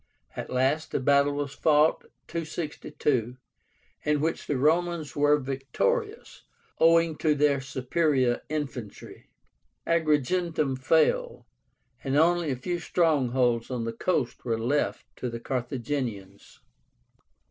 At last a battle was fought (262), in which the Romans were victorious, owing to their superior infantry. Agrigentum fell, and only a few strongholds on the coast were left to the Carthaginians.